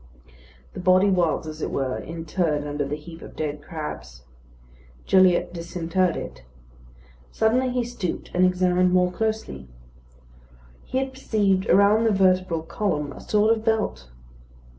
The body was, as it were, interred under the heap of dead crabs. Gilliatt disinterred it. Suddenly he stooped, and examined more closely. He had perceived around the vertebral column a sort of belt.